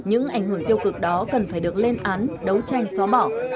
những ảnh hưởng tiêu cực đó cần phải được lên án đấu tranh xóa bỏ